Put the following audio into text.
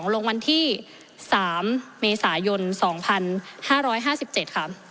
ลงวันที่๓เมษายน๒๕๕๗ค่ะ